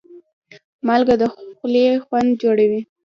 مالګه د خولې خوند جوړوي.